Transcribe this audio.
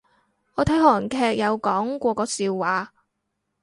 我睇韓劇有講過個笑話